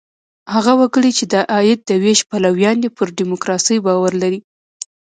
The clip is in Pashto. هغه وګړي، چې د عاید د وېش پلویان دي، پر ډیموکراسۍ باور لري.